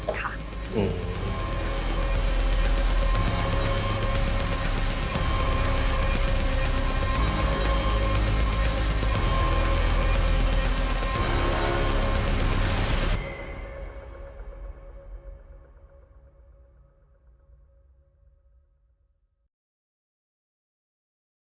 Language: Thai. พักการเมืองต้นจากพักที่ไม่มีเจ้าของ